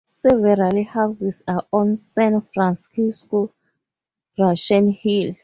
Several houses are on San Francisco's Russian Hill.